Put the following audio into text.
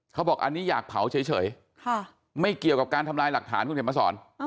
เขาบอกอันนี้อยากเผาเฉยไม่เกี่ยวกับการทำลายหลักฐานคุณเขียนมาสอน